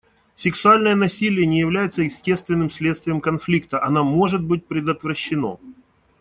Сексуальное насилие не является естественным следствием конфликта, оно может быть предотвращено.